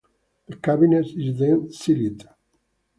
The cabinet is then sealed.